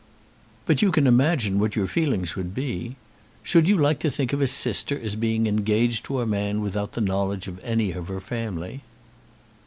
"But you can imagine what your feelings would be. Should you like to think of a sister as being engaged to a man without the knowledge of any of her family?"